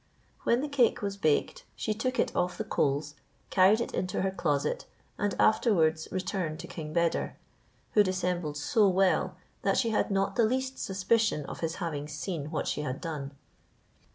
When the cake was baked, she took it off the coals, carried it into her closet, and afterwards returned to King Beder, who dissembled so well, that she had not the least suspicion of his having seen what she had done.